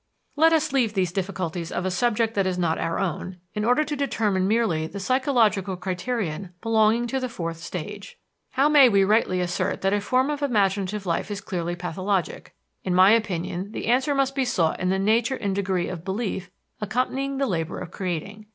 Let us leave these difficulties of a subject that is not our own, in order to determine merely the psychological criterion belonging to the fourth stage. How may we rightly assert that a form of imaginative life is clearly pathologic? In my opinion, the answer must be sought in the nature and degree of belief accompanying the labor of creating.